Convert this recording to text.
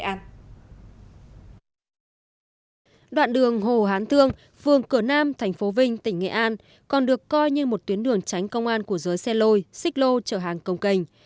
đoạn đường hồ hán thương phường cửa nam tp vinh tỉnh nghệ an còn được coi như một tuyến đường tránh công an của giới xe lôi xích lô chở hàng công cành